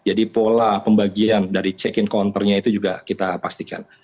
jadi pola pembagian dari check in counternya itu juga kita pastikan